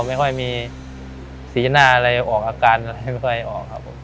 ไม่ค่อยมีสีหน้าอะไรออกอาการอะไรไม่ค่อยออกครับผม